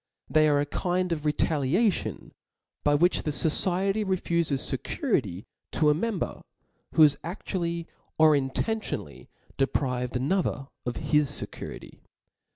They are a kind of retaliation, by which the fociety refufe^ fecurity to a member, who has a^ually or intentionally deprived another of his fecurity.